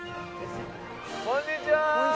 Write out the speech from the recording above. こんにちは。